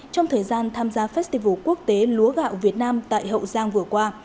trong thời gian tham gia festival quốc tế lúa gạo việt nam tại hậu giang vừa qua